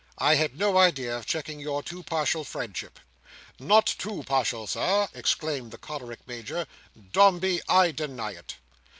I had no idea of checking your too partial friendship." "Not too partial, Sir!" exclaims the choleric Major. "Dombey, I deny it."